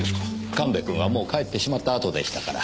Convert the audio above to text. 神戸君はもう帰ってしまったあとでしたから。